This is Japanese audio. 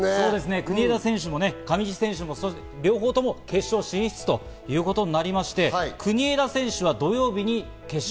国枝選手も上地選手も両方とも決勝進出ということになりまして、国枝選手は土曜日に決勝。